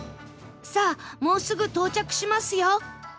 さあもうすぐ到着しますよ